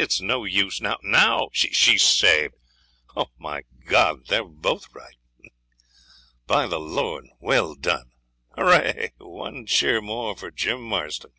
It's no use. Now now! She's saved! Oh, my God! they're both right. By the Lord, well done! Hurrah! One cheer more for Jim Marston!'